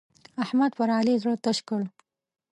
احمد پر علي زړه تش کړ.